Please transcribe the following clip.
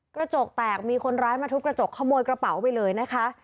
กระจกแตกมีคนร้ายมาทุบกระจกขโมยกระเป๋าไปเลยนะคะ